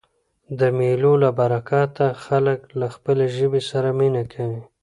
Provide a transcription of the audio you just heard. د مېلو له برکته خلک له خپلي ژبي سره مینه کوي.